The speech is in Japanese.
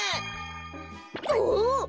おっ！